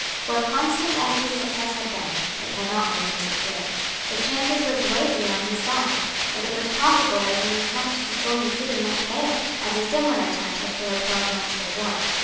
For, constant as his success had been, it had not made him secure. The chances were greatly on his side. Yet it was possible that an attempt to storm the city might fail, as a similar attempt had failed twelve months before.